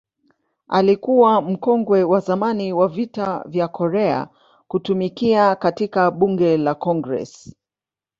Alikuwa mkongwe wa zamani wa Vita vya Korea kutumikia katika Bunge la Congress.